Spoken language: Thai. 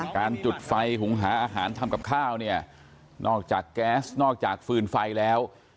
การจุดไฟหุงหาอาหารทำกับข้าวเนี่ยนอกจากแก๊สนอกจากฟืนไฟแล้ว